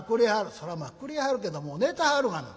「そらまあくれはるけども寝てはるがな」。